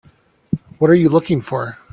What are you looking for?